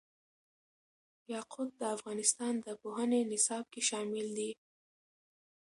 یاقوت د افغانستان د پوهنې نصاب کې شامل دي.